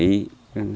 các khách hàng ấu